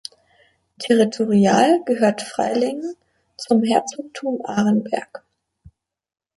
Territorial gehörte Freilingen zum Herzogtum Arenberg.